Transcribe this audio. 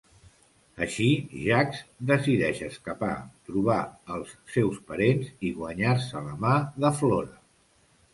Així Jacques decideix escapar, trobar als seus parents i guanyar-se la mà de Flora.